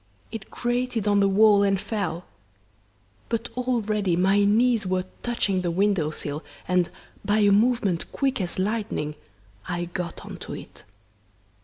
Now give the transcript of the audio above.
It grated on the wall and fell. But, already, my knees were touching the window sill, and, by a movement quick as lightning, I got on to it.